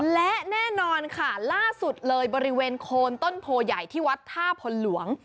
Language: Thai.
และแน่นอนค่ะล่าสุดเลยบริเวณโคนต้นโพใหญ่ที่วัดท่าพลหลวง